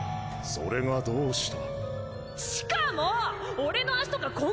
それがどうした？